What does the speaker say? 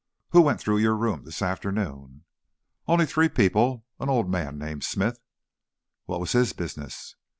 "Who went through your room this afternoon?" "Only three people. An old man named Smith " "What was his business?"